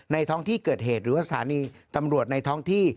ท้องที่เกิดเหตุหรือว่าสถานีตำรวจในท้องที่